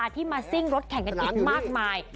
ที่มาซิ่งรถแข่งกันอีกมากมาย